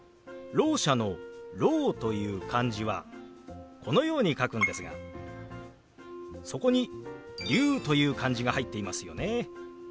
ろう者の「聾」という漢字はこのように書くんですがそこに「龍」という漢字が入っていますよね。